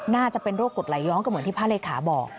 น่าจะเป็นโรคกดไหลย้อนก็เหมือนที่พระเลขาบอก